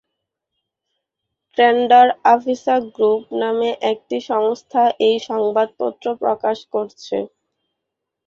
ট্রেন্ডার-আভিসা group নামে একটি সংস্থা এই সংবাদপত্র প্রকাশ করছে।